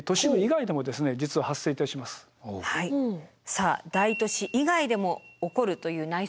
さあ大都市以外でも起こるという内水氾濫。